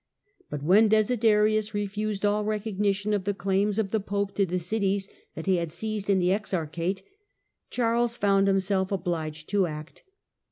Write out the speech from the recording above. But when Desiderius refused all recognition of the claims of the Pope to the cities that he had seized in the exarchate, Charles found himself obliged to act.